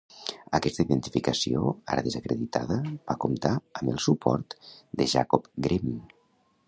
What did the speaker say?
Aquesta identificació, ara desacreditada, va comptar amb el suport de Jacob Grimm.